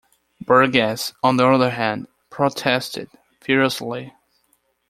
Burgess, on the other hand, protested furiously.